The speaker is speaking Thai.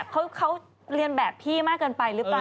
เขาเรียนแบบพี่มากเกินไปหรือเปล่า